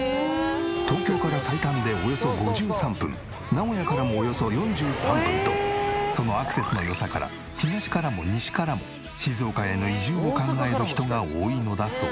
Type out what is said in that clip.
東京から最短でおよそ５３分名古屋からもおよそ４３分とそのアクセスの良さから東からも西からも静岡への移住を考える人が多いのだそう。